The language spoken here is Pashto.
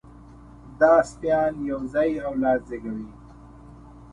دا سپيان یو ځای اولاد زېږوي.